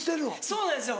そうなんですよ